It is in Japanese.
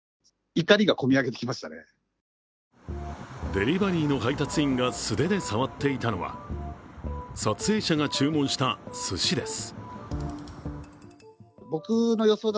デリバリーの配達員が素手で触っていたのは撮影者が注文した、すしです。